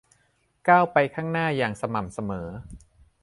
ก้าวไปข้างหน้าอย่างสม่ำเสมอ